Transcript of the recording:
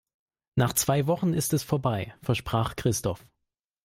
Nach zwei Wochen ist es vorbei, versprach Christoph.